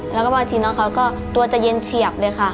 แล้วก็บางทีน้องเขาก็ตัวจะเย็นเฉียบเลยค่ะ